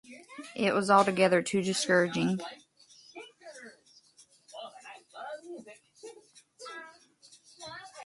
It was altogether too discouraging.